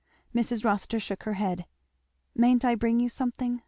Mrs. Rossitur shook her head. "Mayn't I bring you something?